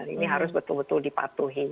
ini harus betul betul dipatuhi